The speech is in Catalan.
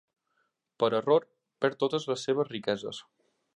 Per error, perd totes les seves riqueses.